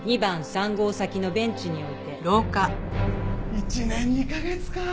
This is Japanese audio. １年２カ月か。